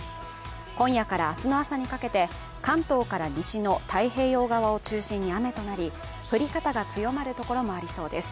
今夜から明日の朝にかけて関東から西の太平洋側を中心に雨となり降り方が強まるところもありそうです。